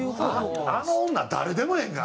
あの女誰でもええんか！